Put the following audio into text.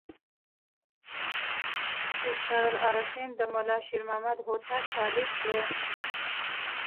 اسرار العارفین د ملا شیر محمد هوتک تألیف دی.